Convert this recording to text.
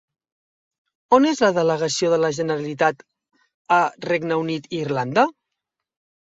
On és la delegació de la Generalitat a Regne Unit i Irlanda?